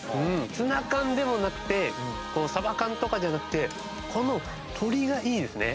ツナ缶でもなくてサバ缶とかじゃなくてこの鶏がいいですね。